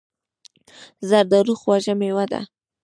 زردالو خوږه مېوه ده.